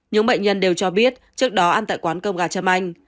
những bệnh nhân đều cho biết trước đó ăn tại quán cơm gà châm anh